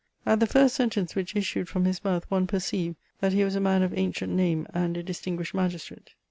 At the first sentence which issued from his mouth one perceived that he was a man of ancient name and a distinguished magistrate.